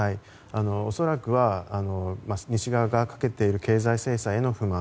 恐らくは西側がかけている経済制裁への不満。